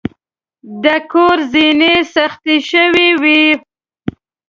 د کور زینې سختې شوې وې.